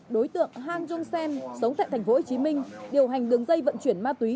đối tượng hang jong sen sống tại tp hcm điều hành đường dây vận chuyển ma tùy